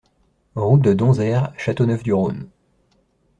Route de Donzère, Châteauneuf-du-Rhône